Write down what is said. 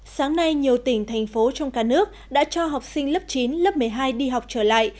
sáng nay nhiều tỉnh thành phố trong cả nước đã cho học sinh lớp chín lớp một mươi hai đi học trở lại